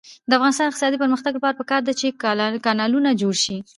د افغانستان د اقتصادي پرمختګ لپاره پکار ده چې کانالونه جوړ شي.